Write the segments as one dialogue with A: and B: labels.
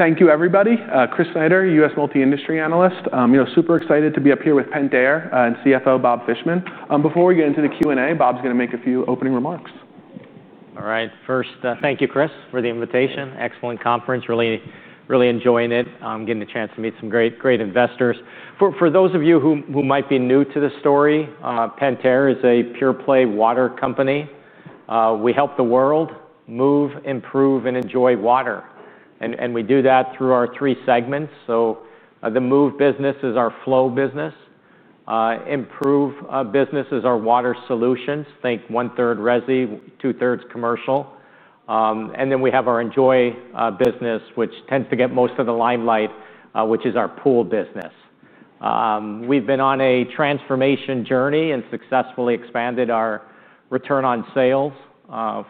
A: Thank you, everybody. Chris Snyder, U.S. Multi-Industry Analyst. You know, super excited to be up here with Pentair and CFO Bob Fishman. Before we get into the Q&A, Bob's going to make a few opening remarks.
B: All right. First, thank you, Chris, for the invitation. Excellent conference. Really, really enjoying it. Getting a chance to meet some great, great investors. For those of you who might be new to this story, Pentair is a pure-play water company. We help the world move, improve, and enjoy water. We do that through our three segments. The move business is our Flow business. Improve business is our Water Solutions. Think one-third resi, two-thirds commercial. We have our enjoy business, which tends to get most of the limelight, which is our Pool business. We've been on a transformation journey and successfully expanded our return on sales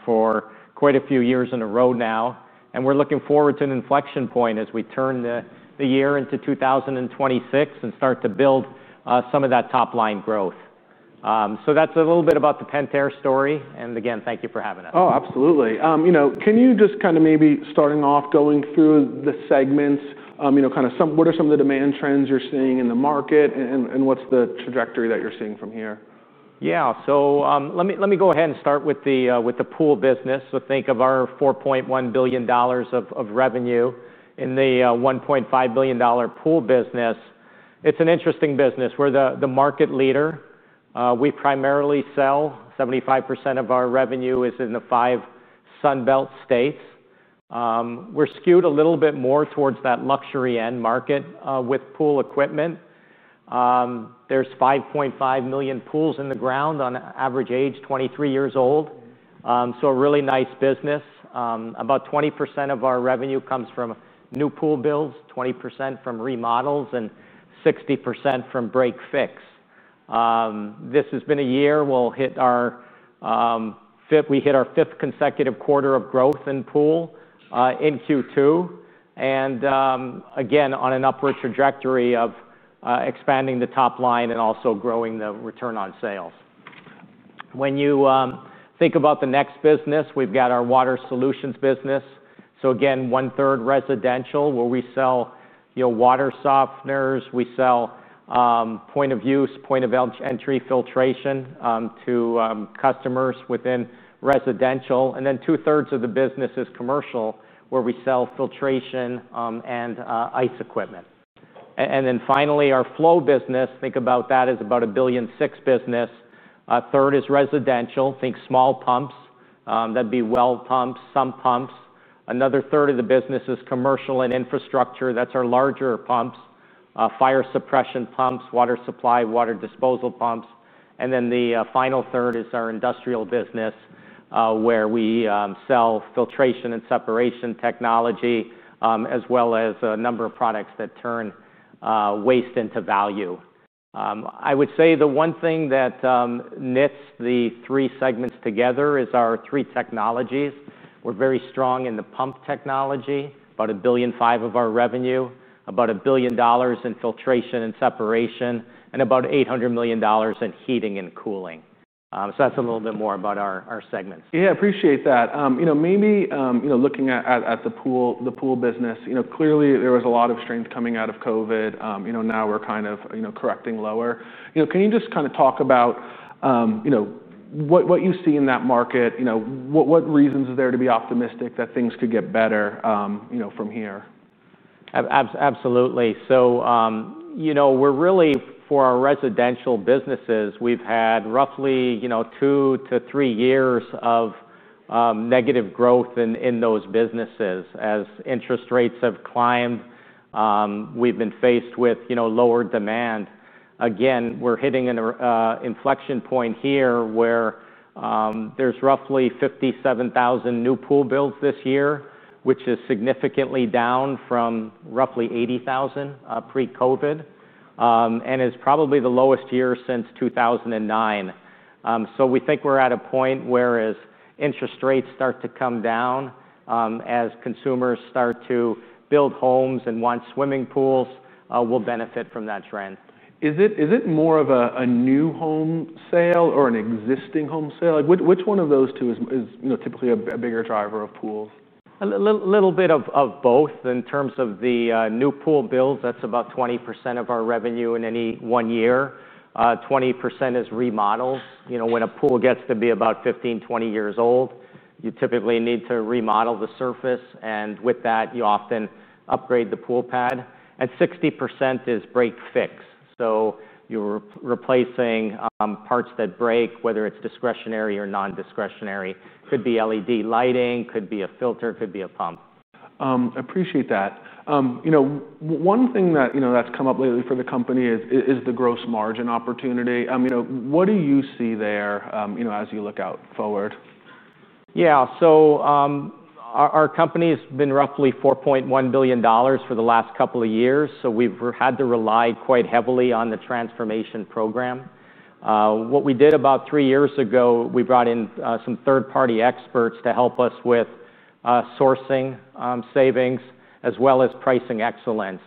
B: for quite a few years in a row now. We're looking forward to an inflection point as we turn the year into 2026 and start to build some of that top-line growth. That's a little bit about the Pentair story. Again, thank you for having us.
A: Oh, absolutely. Can you just kind of maybe, starting off, go through the segments? You know, what are some of the demand trends you're seeing in the market, and what's the trajectory that you're seeing from here?
B: Yeah. Let me go ahead and start with the Pool business. Think of our $4.1 billion of revenue in the $1.5 billion Pool business. It's an interesting business. We're the market leader. We primarily sell. 75% of our revenue is in the five Sun Belt states. We're skewed a little bit more towards that luxury end market with pool equipment. There's 5.5 million pools in the ground, on average age, 23 years old. A really nice business. About 20% of our revenue comes from new pool builds, 20% from remodels, and 60% from break/fix. This has been a year we'll hit our fifth consecutive quarter of growth in pool in Q2. Again, on an upward trajectory of expanding the top line and also growing the return on sales. When you think about the next business, we've got our water solutions business. Again, one-third residential where we sell, you know, water softeners. We sell point of use, point of entry filtration to customers within residential. Then two-thirds of the business is commercial where we sell filtration and ice equipment. Finally, our Flow business. Think about that as about a $1.6 billion business. A third is residential. Think small pumps. That'd be well pumps, sump pumps. Another third of the business is commercial and infrastructure. That's our larger pumps, fire suppression pumps, water supply, water disposal pumps. The final third is our industrial business where we sell filtration and separation technology, as well as a number of products that turn waste into value. I would say the one thing that knits the three segments together is our three technologies. We're very strong in the pump technology, about $1.5 billion of our revenue, about $1 billion in filtration and separation, and about $800 million in heating and cooling. That's a little bit more about our segments.
A: Yeah, I appreciate that. Maybe looking at the pool business, clearly there was a lot of strength coming out of COVID. Now we're kind of correcting lower. Can you just talk about what you see in that market? What reasons are there to be optimistic that things could get better from here?
B: Absolutely. For our residential businesses, we've had roughly two to three years of negative growth in those businesses. As interest rates have climbed, we've been faced with lower demand. We're hitting an inflection point here where there's roughly 57,000 new pool builds this year, which is significantly down from roughly 80,000 pre-COVID. It's probably the lowest year since 2009. We think we're at a point where, as interest rates start to come down, as consumers start to build homes and want swimming pools, we'll benefit from that trend.
A: Is it more of a new home sale or an existing home sale? Which one of those two is typically a bigger driver of pools?
B: A little bit of both. In terms of the new pool builds, that's about 20% of our revenue in any one year. 20% is remodel. When a pool gets to be about 15, 20 years old, you typically need to remodel the surface. With that, you often upgrade the pool pad. 60% is break/fix. You're replacing parts that break, whether it's discretionary or non-discretionary. Could be LED lighting, could be a filter, could be a pump.
A: I appreciate that. One thing that's come up lately for the company is the gross margin opportunity. What do you see there as you look out forward?
B: Yeah, so our company's been roughly $4.1 billion for the last couple of years. We've had to rely quite heavily on the transformation program. What we did about three years ago, we brought in some third-party experts to help us with sourcing savings, as well as pricing excellence.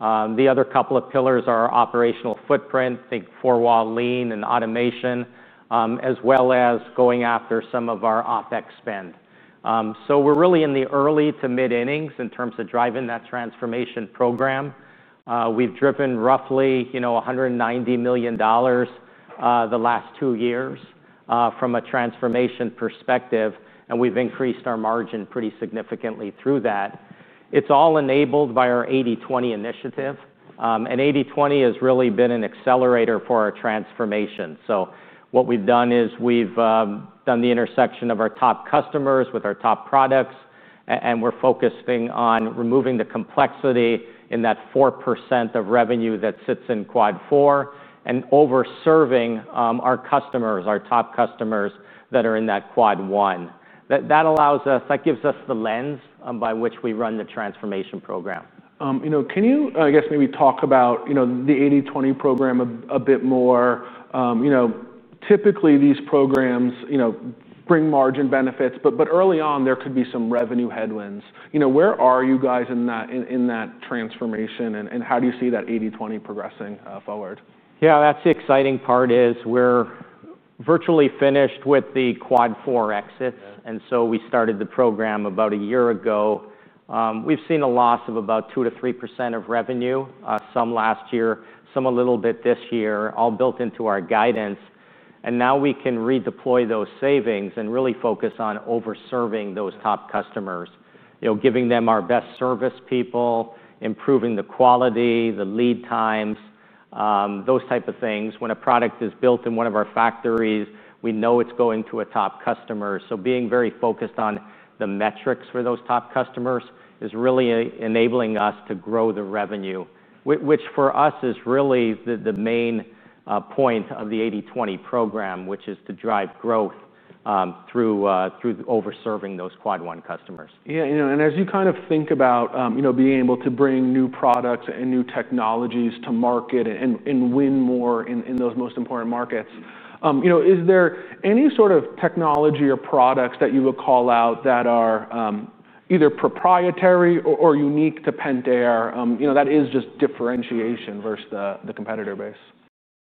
B: The other couple of pillars are operational footprint, think four-wall lean and automation, as well as going after some of our OpEx spend. We're really in the early to mid-innings in terms of driving that transformation program. We've driven roughly $190 million the last two years from a transformation perspective, and we've increased our margin pretty significantly through that. It's all enabled by our 80/20 initiative. 80/20 has really been an accelerator for our transformation. What we've done is we've done the intersection of our top customers with our top products, and we're focusing on removing the complexity in that 4% of revenue that sits in Quad 4 and over-serving our customers, our top customers that are in that Quad 1. That allows us, that gives us the lens by which we run the transformation program.
A: Can you maybe talk about the 80/20 program a bit more? Typically these programs bring margin benefits, but early on there could be some revenue headwinds. Where are you guys in that transformation, and how do you see that 80/20 progressing forward?
B: Yeah, that's the exciting part. We're virtually finished with the Quad 4 exit. We started the program about a year ago. We've seen a loss of about 2%-3% of revenue, some last year, some a little bit this year, all built into our guidance. Now we can redeploy those savings and really focus on over-serving those top customers, giving them our best service people, improving the quality, the lead times, those types of things. When a product is built in one of our factories, we know it's going to a top customer. Being very focused on the metrics for those top customers is really enabling us to grow the revenue, which for us is really the main point of the 80/20 program, which is to drive growth through over-serving those Quad 1 customers.
A: Yeah, you know, as you kind of think about being able to bring new products and new technologies to market and win more in those most important markets, is there any sort of technology or products that you would call out that are either proprietary or unique to Pentair? You know, that is just differentiation versus the competitor base.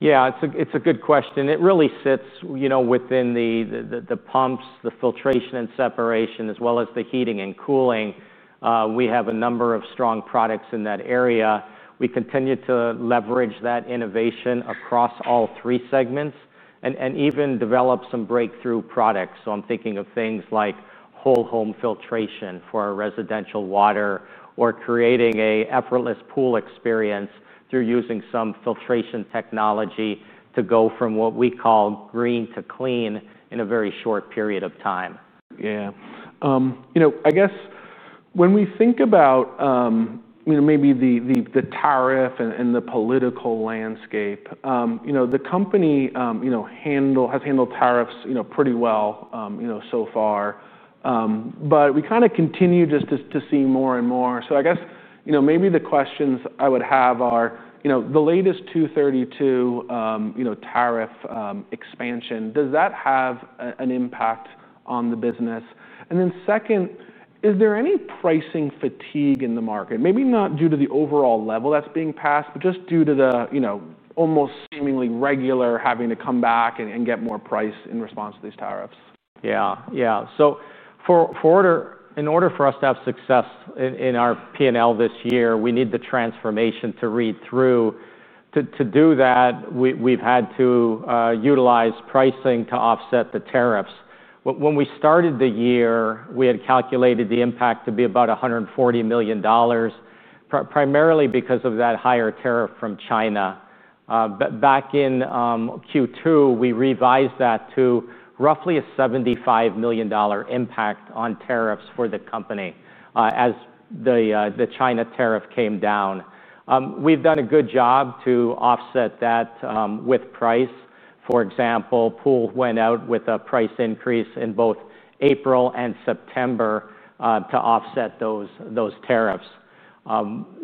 B: Yeah, it's a good question. It really sits, you know, within the pumps, the filtration and separation, as well as the heating and cooling. We have a number of strong products in that area. We continue to leverage that innovation across all three segments and even develop some breakthrough products. I'm thinking of things like whole-home filtration for our residential water or creating an effortless pool experience through using some filtration technology to go from what we call green to clean in a very short period of time.
A: Yeah. I guess when we think about, maybe the tariff and the political landscape, the company has handled tariffs pretty well so far. We kind of continue just to see more and more. I guess maybe the questions I would have are, the latest 232 tariff expansion, does that have an impact on the business? Second, is there any pricing fatigue in the market? Maybe not due to the overall level that's being passed, but just due to the almost seemingly regular having to come back and get more price in response to these tariffs?
B: Yeah, yeah. In order for us to have success in our P&L this year, we need the transformation to read through. To do that, we've had to utilize pricing to offset the tariffs. When we started the year, we had calculated the impact to be about $140 million, primarily because of that higher tariff from China. Back in Q2, we revised that to roughly a $75 million impact on tariffs for the company as the China tariff came down. We've done a good job to offset that with price. For example, pools went out with a price increase in both April and September to offset those tariffs.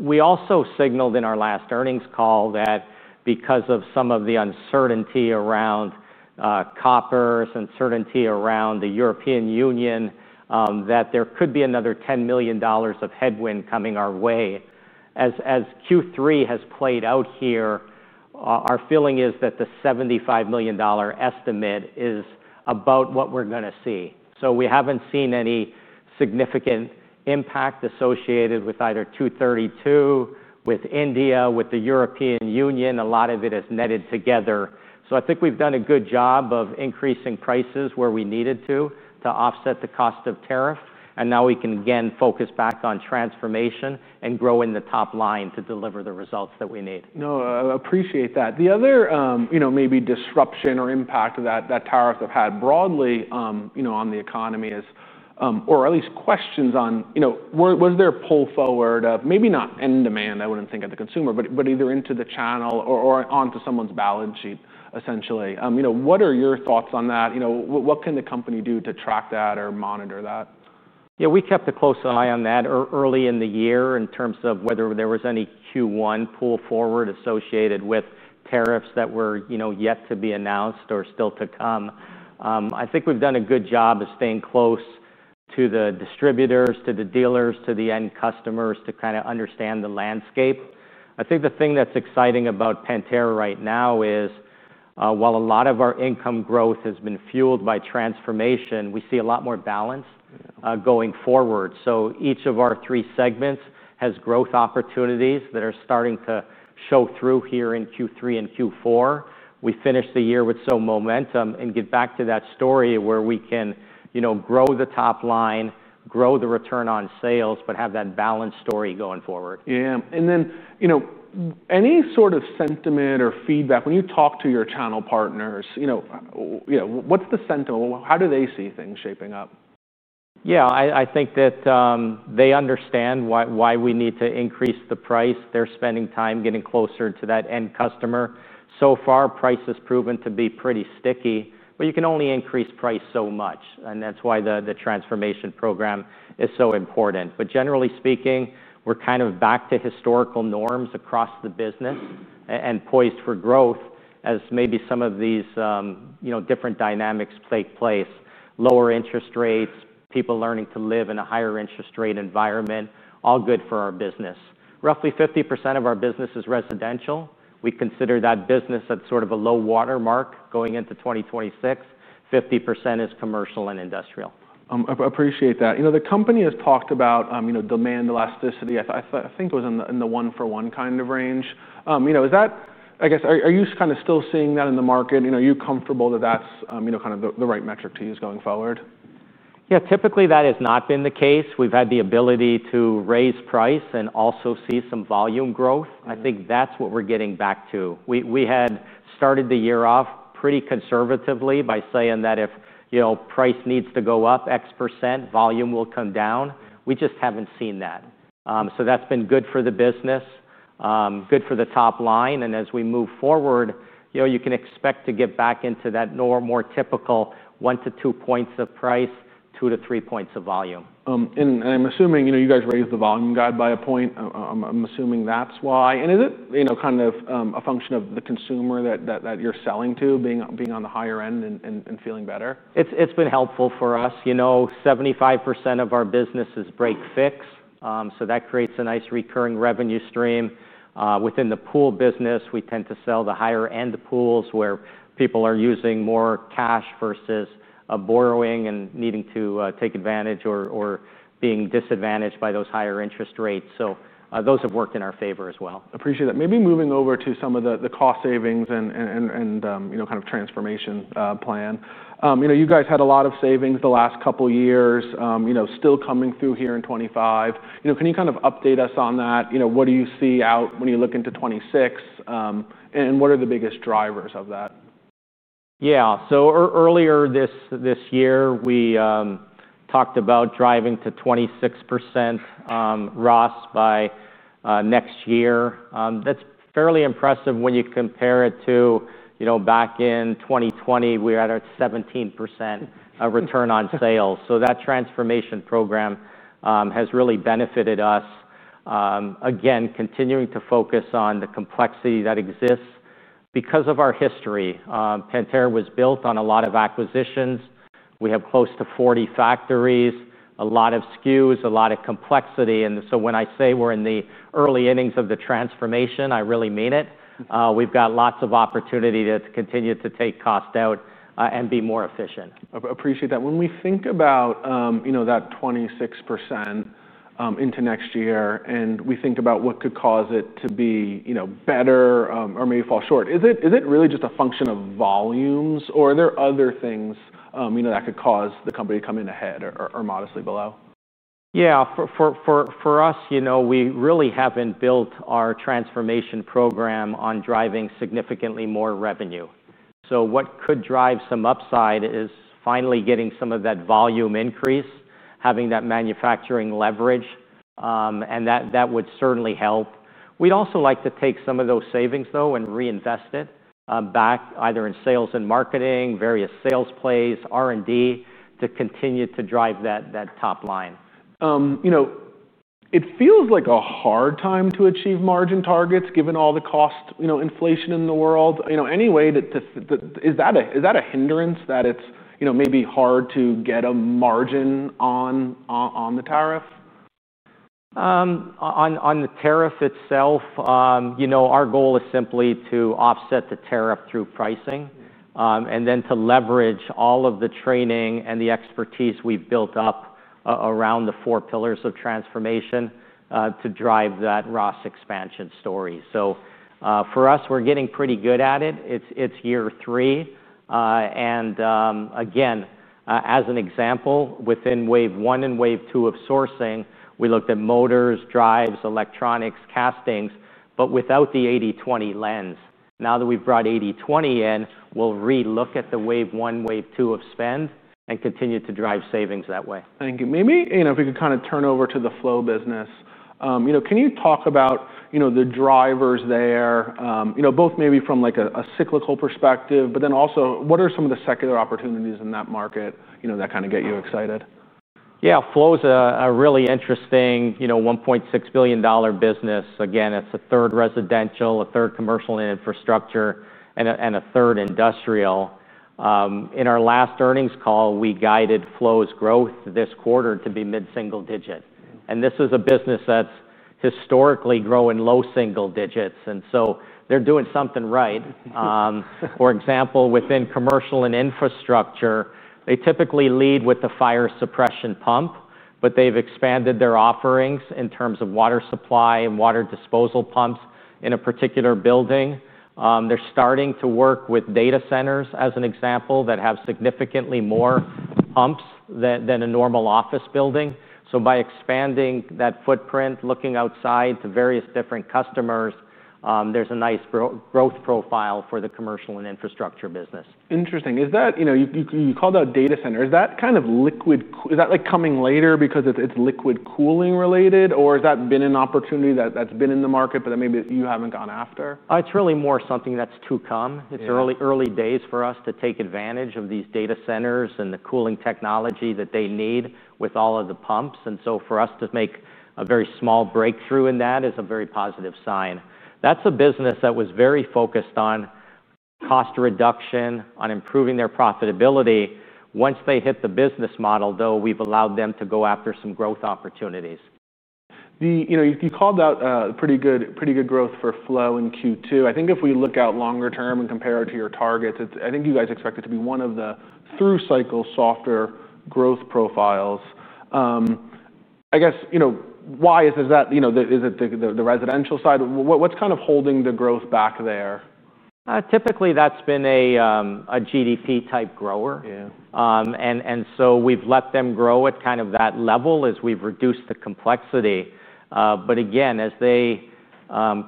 B: We also signaled in our last earnings call that because of some of the uncertainty around coppers uncertainty around the European Union, there could be another $10 million of headwind coming our way. As Q3 has played out here, our feeling is that the $75 million estimate is about what we're going to see. We haven't seen any significant impact associated with either 232, with India, with the European Union. A lot of it is netted together. I think we've done a good job of increasing prices where we needed to to offset the cost of tariff. Now we can again focus back on transformation and growing the top line to deliver the results that we need.
A: No, I appreciate that. The other, you know, maybe disruption or impact that tariffs have had broadly on the economy is, or at least questions on, you know, was there a pull forward of maybe not end demand, I wouldn't think of the consumer, but either into the channel or onto someone's balance sheet, essentially. You know, what are your thoughts on that? You know, what can the company do to track that or monitor that?
B: Yeah, we kept a close eye on that early in the year in terms of whether there was any Q1 pull forward associated with tariffs that were yet to be announced or still to come. I think we've done a good job of staying close to the distributors, to the dealers, to the end customers to kind of understand the landscape. I think the thing that's exciting about Pentair right now is while a lot of our income growth has been fueled by transformation, we see a lot more balance going forward. Each of our three segments has growth opportunities that are starting to show through here in Q3 and Q4. We finished the year with some momentum and get back to that story where we can grow the top line, grow the return on sales, but have that balance story going forward.
A: Yeah, you know, any sort of sentiment or feedback when you talk to your channel partners, what's the sentiment? How do they see things shaping up?
B: Yeah, I think that they understand why we need to increase the price. They're spending time getting closer to that end customer. So far, price has proven to be pretty sticky, but you can only increase price so much. That is why the transformation program is so important. Generally speaking, we're kind of back to historical norms across the business and poised for growth as maybe some of these different dynamics take place. Lower interest rates, people learning to live in a higher interest rate environment, all good for our business. Roughly 50% of our business is residential. We consider that business at sort of a low water mark going into 2026. 50% is commercial and industrial.
A: I appreciate that. The company has talked about demand elasticity. I think it was in the one-for-one kind of range. Is that, are you kind of still seeing that in the market? Are you comfortable that that's kind of the right metric to use going forward?
B: Yeah, typically that has not been the case. We've had the ability to raise price and also see some volume growth. I think that's what we're getting back to. We had started the year off pretty conservatively by saying that if, you know, price needs to go up X %, volume will come down. We just haven't seen that. That's been good for the business, good for the top line. As we move forward, you can expect to get back into that norm, more typical one to two points of price, two to three points of volume.
A: I'm assuming you guys raised the volume guide by a point. I'm assuming that's why. Is it kind of a function of the consumer that you're selling to being on the higher end and feeling better?
B: It's been helpful for us. You know, 75% of our business is break/fix. That creates a nice recurring revenue stream. Within the pool business, we tend to sell the higher-end pools where people are using more cash versus borrowing and needing to take advantage or being disadvantaged by those higher interest rates. Those have worked in our favor as well.
A: I appreciate that. Maybe moving over to some of the cost savings and, you know, kind of transformation plan. You know, you guys had a lot of savings the last couple of years, you know, still coming through here in 2025. Can you kind of update us on that? What do you see out when you look into 2026? What are the biggest drivers of that?
B: Yeah, so earlier this year, we talked about driving to 26% ROS by next year. That's fairly impressive when you compare it to, you know, back in 2020, we had a 17% return on sales. That transformation program has really benefited us. Again, continuing to focus on the complexity that exists because of our history. Pentair was built on a lot of acquisitions. We have close to 40 factories, a lot of SKUs, a lot of complexity. When I say we're in the early innings of the transformation, I really mean it. We've got lots of opportunity to continue to take cost out and be more efficient.
A: I appreciate that. When we think about that 26% into next year and we think about what could cause it to be better or maybe fall short, is it really just a function of volumes, or are there other things that could cause the company to come in ahead or modestly below?
B: Yeah, for us, you know, we really haven't built our transformation program on driving significantly more revenue. What could drive some upside is finally getting some of that volume increase, having that manufacturing leverage. That would certainly help. We'd also like to take some of those savings, though, and reinvest it back either in sales and marketing, various sales plays, R&D to continue to drive that top line.
A: It feels like a hard time to achieve margin targets given all the cost inflation in the world. Is that a hindrance that it's maybe hard to get a margin on the tariff?
B: On the tariff itself, you know, our goal is simply to offset the tariff through pricing and then to leverage all of the training and the expertise we've built up around the four pillars of transformation to drive that ROS expansion story. For us, we're getting pretty good at it. It's year three. As an example, within wave one and wave two of sourcing, we looked at motors, drives, electronics, castings, but without the 80/20 lens. Now that we've brought 80/20 in, we'll relook at the wave one, wave two of spend and continue to drive savings that way.
A: Thank you. Maybe, if we could kind of turn over to the Flow business, can you talk about the drivers there, both maybe from like a cyclical perspective, but then also what are some of the secular opportunities in that market that kind of get you excited?
B: Yeah, Flow is a really interesting, you know, $1.6 billion business. Again, it's a third residential, a third commercial infrastructure, and a third industrial. In our last earnings call, we guided Flow's growth this quarter to be mid-single digit. This is a business that's historically growing low single digits, and they're doing something right. For example, within commercial and infrastructure, they typically lead with the fire suppression pump, but they've expanded their offerings in terms of water supply and water disposal pumps in a particular building. They're starting to work with data centers as an example that have significantly more pumps than a normal office building. By expanding that footprint, looking outside to various different customers, there's a nice growth profile for the commercial and infrastructure business.
A: Interesting. Is that, you know, you called out data center. Is that kind of liquid, is that like coming later because it's liquid cooling related, or has that been an opportunity that's been in the market, but that maybe you haven't gone after?
B: It's really more something that's to come. It's early days for us to take advantage of these data centers and the cooling technology that they need with all of the pumps. For us to make a very small breakthrough in that is a very positive sign. That's a business that was very focused on cost reduction, on improving their profitability. Once they hit the business model, we've allowed them to go after some growth opportunities.
A: You called out pretty good growth for Flow in Q2. I think if we look out longer term and compare it to your targets, I think you guys expect it to be one of the through cycle softer growth profiles. I guess, why is it that, is it the residential side? What's kind of holding the growth back there?
B: Typically, that's been a GDP type grower. We've let them grow at kind of that level as we've reduced the complexity. Again, as they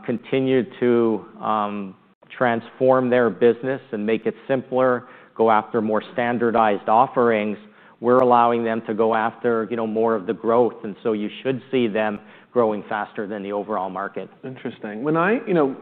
B: continue to transform their business and make it simpler, go after more standardized offerings, we're allowing them to go after more of the growth. You should see them growing faster than the overall market.
A: Interesting.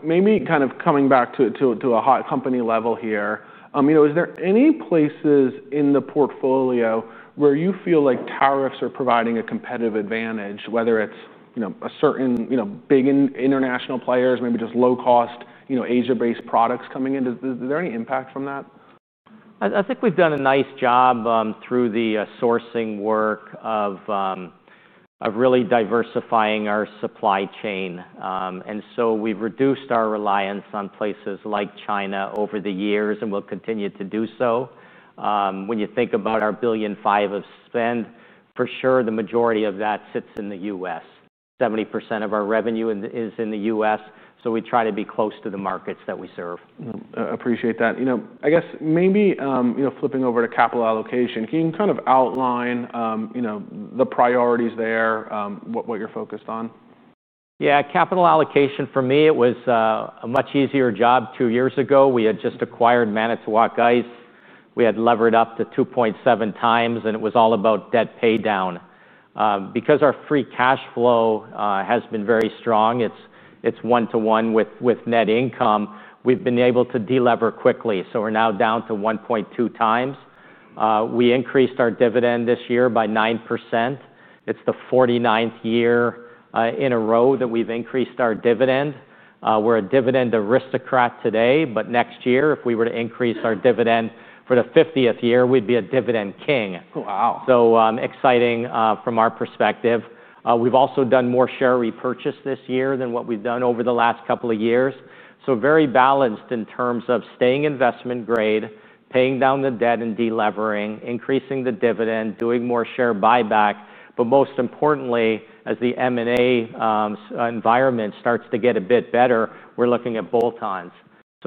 A: Maybe kind of coming back to a hot company level here, is there any places in the portfolio where you feel like tariffs are providing a competitive advantage, whether it's a certain big international players, maybe just low-cost Asia-based products coming in? Is there any impact from that?
B: I think we've done a nice job through the sourcing work of really diversifying our supply chain. We've reduced our reliance on places like China over the years and will continue to do so. When you think about our $1.5 billion of spend, for sure, the majority of that sits in the U.S. 70% of our revenue is in the U.S., so we try to be close to the markets that we serve.
A: I appreciate that. I guess maybe, flipping over to capital allocation, can you kind of outline the priorities there, what you're focused on?
B: Yeah, capital allocation for me, it was a much easier job two years ago. We had just acquired Manitowoc Ice. We had levered up to 2.7x, and it was all about debt pay down. Because our free cash flow has been very strong, it's one-to-one with net income, we've been able to delever quickly. We're now down to 1.2x. We increased our dividend this year by 9%. It's the 49th year in a row that we've increased our dividend. We're a dividend aristocrat today, but next year, if we were to increase our dividend for the 50th year, we'd be a dividend king.
A: Wow.
B: Exciting from our perspective. We've also done more share repurchase this year than what we've done over the last couple of years. Very balanced in terms of staying investment grade, paying down the debt and delevering, increasing the dividend, doing more share buyback. Most importantly, as the M&A environment starts to get a bit better, we're looking at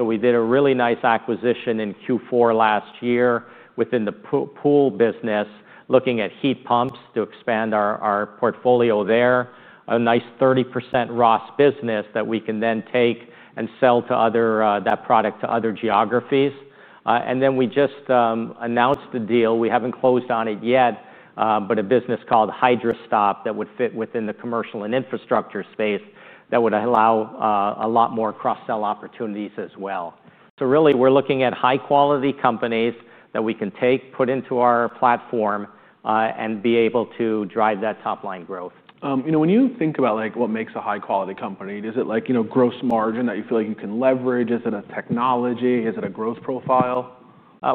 B: bolt-ons. We did a really nice acquisition in Q4 last year within the pool business, looking at heat pumps to expand our portfolio there. A nice 30% ROS business that we can then take and sell that product to other geographies. We just announced the deal. We haven't closed on it yet, but a business called Hydra-Stop that would fit within the commercial and infrastructure space would allow a lot more cross-sell opportunities as well. Really, we're looking at high-quality companies that we can take, put into our platform, and be able to drive that top-line growth.
A: You know, when you think about what makes a high-quality company, is it like, you know, gross margin that you feel like you can leverage? Is it a technology? Is it a growth profile?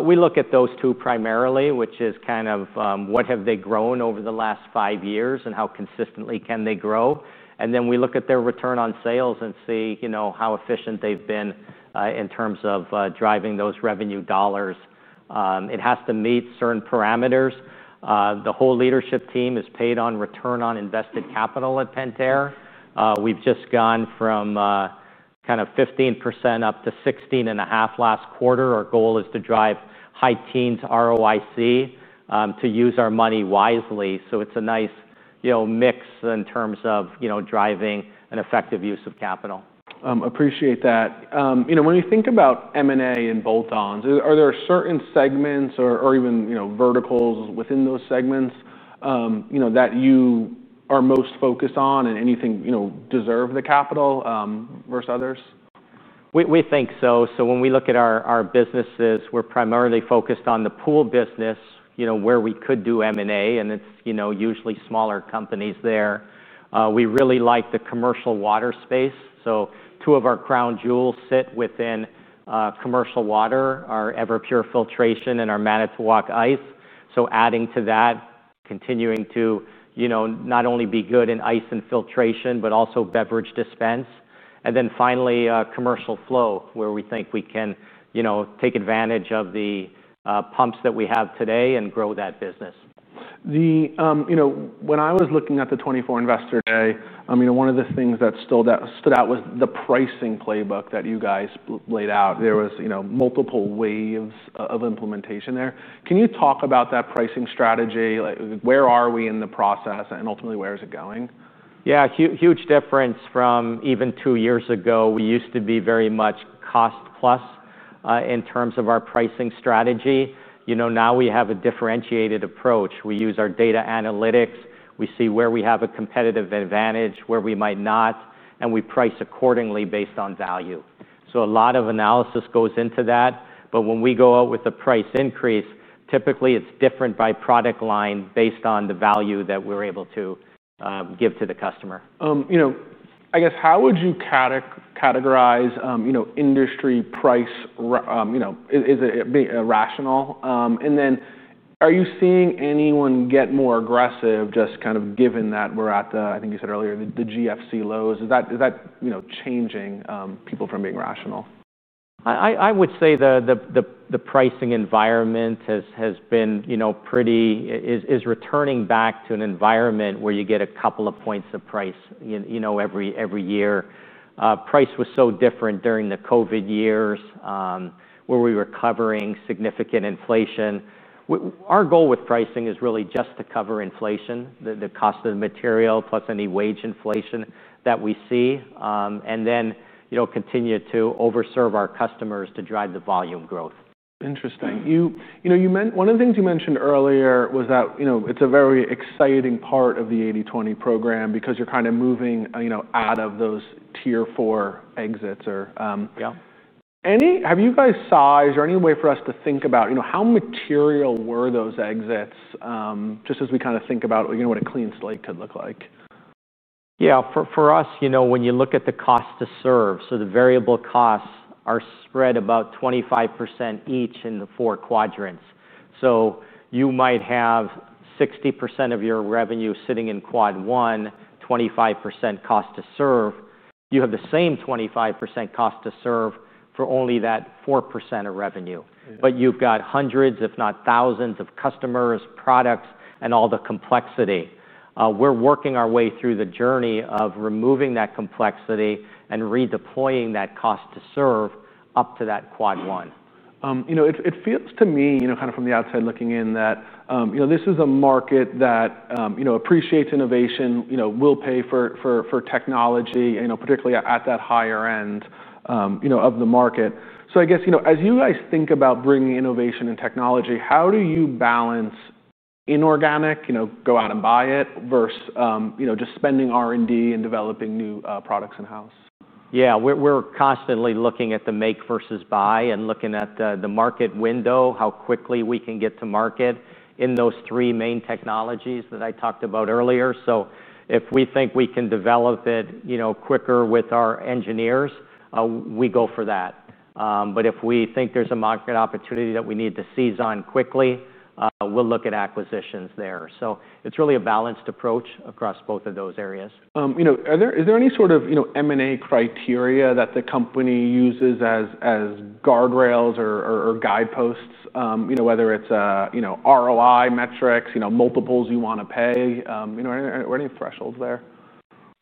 B: We look at those two primarily, which is kind of what have they grown over the last five years and how consistently can they grow. We look at their return on sales and see, you know, how efficient they've been in terms of driving those revenue dollars. It has to meet certain parameters. The whole leadership team is paid on return on invested capital at Pentair. We've just gone from kind of 15% up to 16.5% last quarter. Our goal is to drive high teens ROIC to use our money wisely. It's a nice, you know, mix in terms of, you know, driving an effective use of capital.
A: Appreciate that. When we think about M&A and bolt-ons, are there certain segments or even verticals within those segments that you are most focused on, and anything deserve the capital versus others?
B: We think so. When we look at our businesses, we're primarily focused on the pool business, you know, where we could do M&A, and it's, you know, usually smaller companies there. We really like the commercial water space. Two of our crown jewels sit within commercial water, our Everpure filtration and our Manitowoc Ice. Adding to that, continuing to, you know, not only be good in ice and filtration, but also beverage dispense. Finally, commercial flow where we think we can, you know, take advantage of the pumps that we have today and grow that business.
A: When I was looking at the 2024 Investor Day, one of the things that stood out was the pricing playbook that you guys laid out. There were multiple waves of implementation there. Can you talk about that pricing strategy? Where are we in the process and ultimately where is it going?
B: Yeah, huge difference from even two years ago. We used to be very much cost plus in terms of our pricing strategy. Now we have a differentiated approach. We use our data analytics, we see where we have a competitive advantage, where we might not, and we price accordingly based on value. A lot of analysis goes into that. When we go out with a price increase, typically it's different by product line based on the value that we're able to give to the customer.
A: How would you categorize industry price? Is it rational? Are you seeing anyone get more aggressive given that we're at the, I think you said earlier, the GFC lows? Is that changing people from being rational?
B: I would say the pricing environment has been pretty, is returning back to an environment where you get a couple of points of price every year. Price was so different during the COVID years where we were covering significant inflation. Our goal with pricing is really just to cover inflation, the cost of the material plus any wage inflation that we see. You know, continue to over-serve our customers to drive the volume growth.
A: Interesting. You know, one of the things you mentioned earlier was that it's a very exciting part of the 80/20 program because you're kind of moving out of those tier four exits. Yeah. Have you guys sized or any way for us to think about how material were those exits? Just as we kind of think about what a clean slate could look like.
B: Yeah, for us, you know, when you look at the cost to serve, the variable costs are spread about 25% each in the four quadrants. You might have 60% of your revenue sitting in Quad 1, 25% cost to serve. You have the same 25% cost to serve for only that 4% of revenue. You've got hundreds, if not thousands of customers, products, and all the complexity. We're working our way through the journey of removing that complexity and redeploying that cost to serve up to that Quad 1.
A: It feels to me, kind of from the outside looking in, that this is a market that appreciates innovation, will pay for technology, particularly at that higher end of the market. I guess as you guys think about bringing innovation and technology, how do you balance inorganic, go out and buy it versus just spending R&D and developing new products in-house?
B: Yeah, we're constantly looking at the make versus buy and looking at the market window, how quickly we can get to market in those three main technologies that I talked about earlier. If we think we can develop it quicker with our engineers, we go for that. If we think there's a market opportunity that we need to seize on quickly, we'll look at acquisitions there. It's really a balanced approach across both of those areas.
A: Is there any sort of M&A criteria that the company uses as guardrails or guideposts, whether it's an ROI metrics, multiples you want to pay, or any threshold there?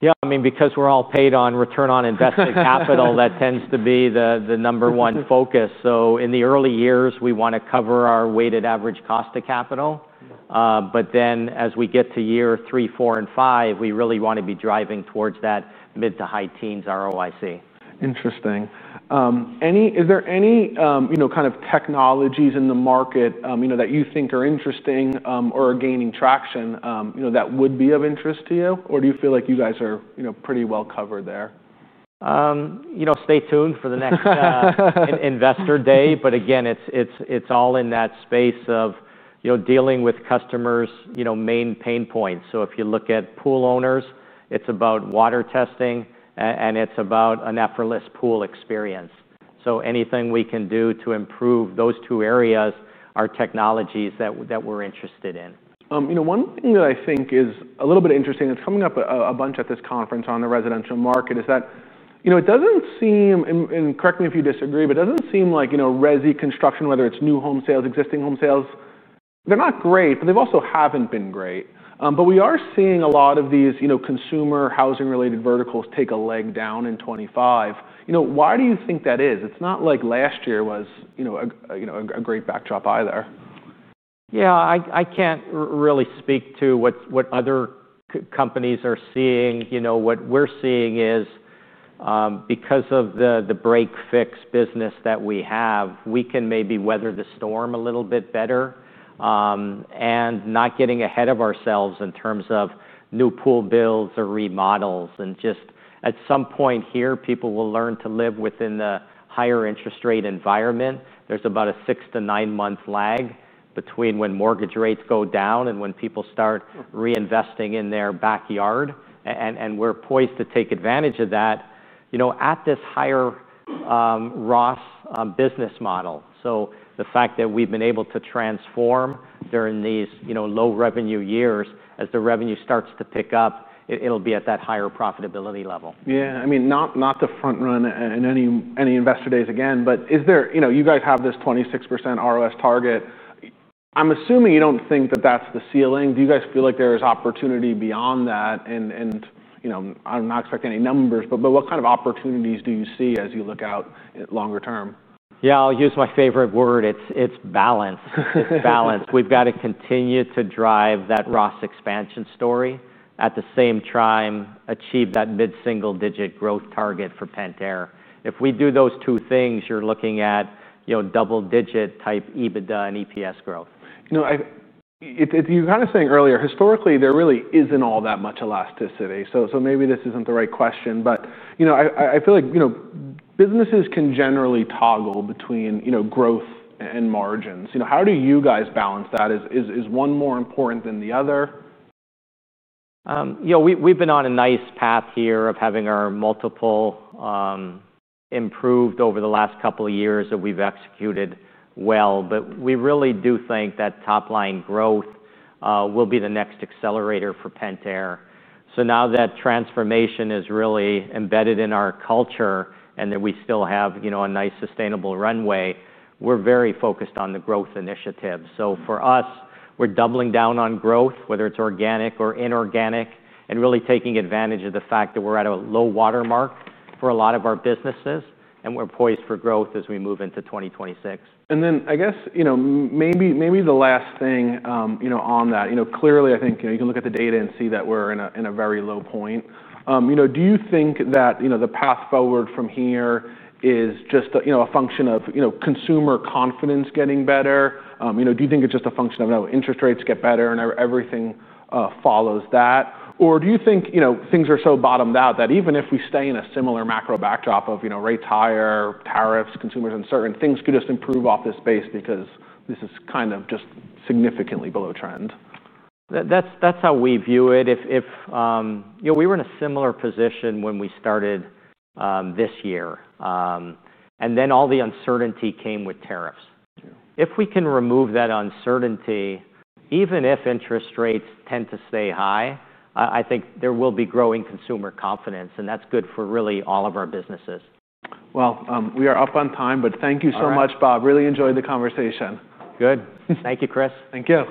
B: Yeah, I mean, because we're all paid on return on invested capital, that tends to be the number one focus. In the early years, we want to cover our weighted average cost of capital. As we get to year three, four, and five, we really want to be driving towards that mid to high teens ROIC.
A: Interesting. Is there any kind of technologies in the market that you think are interesting or are gaining traction that would be of interest to you? Or do you feel like you guys are pretty well covered there?
B: You know, stay tuned for the next Investor Day. Again, it's all in that space of dealing with customers' main pain points. If you look at pool owners, it's about water testing and it's about an effortless pool experience. Anything we can do to improve those two areas are technologies that we're interested in.
A: You know, one thing that I think is a little bit interesting, it's coming up a bunch at this conference on the residential market is that it doesn't seem, and correct me if you disagree, but it doesn't seem like, you know, resi construction, whether it's new home sales, existing home sales, they're not great, but they also haven't been great. We are seeing a lot of these consumer housing related verticals take a leg down in 2025. Why do you think that is? It's not like last year was a great backdrop either.
B: Yeah, I can't really speak to what other companies are seeing. You know, what we're seeing is because of the break/fix business that we have, we can maybe weather the storm a little bit better and not get ahead of ourselves in terms of new pool builds or remodels. At some point here, people will learn to live within the higher interest rate environment. There's about a six to nine month lag between when mortgage rates go down and when people start reinvesting in their backyard. We're poised to take advantage of that at this higher ROS business model. The fact that we've been able to transform during these low revenue years, as the revenue starts to pick up, it'll be at that higher profitability level.
A: Yeah, I mean, not to front run any Investor Days again, but is there, you know, you guys have this 26% ROS target. I'm assuming you don't think that that's the ceiling. Do you guys feel like there is opportunity beyond that? You know, I'm not expecting any numbers, but what kind of opportunities do you see as you look out longer term?
B: Yeah, I'll use my favorite word. It's balance. It's balance. We've got to continue to drive that ROS expansion story at the same time, achieve that mid-single digit growth target for Pentair. If we do those two things, you're looking at, you know, double digit type EBITDA and EPS growth.
A: You were kind of saying earlier, historically, there really isn't all that much elasticity. Maybe this isn't the right question, but I feel like businesses can generally toggle between growth and margins. How do you guys balance that? Is one more important than the other?
B: Yeah, we've been on a nice path here of having our multiple improved over the last couple of years that we've executed well. We really do think that top line growth will be the next accelerator for Pentair. Now that transformation is really embedded in our culture and that we still have, you know, a nice sustainable runway, we're very focused on the growth initiative. For us, we're doubling down on growth, whether it's organic or inorganic, and really taking advantage of the fact that we're at a low water mark for a lot of our businesses and we're poised for growth as we move into 2026.
A: I guess, maybe the last thing on that, clearly I think you can look at the data and see that we're in a very low point. Do you think that the path forward from here is just a function of consumer confidence getting better? Do you think it's just a function of interest rates getting better and everything follows that? Do you think things are so bottomed out that even if we stay in a similar macro backdrop of rates higher, tariffs, consumers uncertain, things could just improve off this base because this is kind of just significantly below trend?
B: That's how we view it. If we were in a similar position when we started this year, and then all the uncertainty came with tariffs. If we can remove that uncertainty, even if interest rates tend to stay high, I think there will be growing consumer confidence and that's good for really all of our businesses.
A: Thank you so much, Bob. Really enjoyed the conversation.
B: Good. Thank you, Chris.
A: Take care.